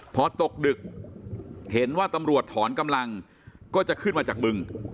พอตกดึกเห็นว่าตำรวจถอนกำลังก็จะขึ้นมาจากบึง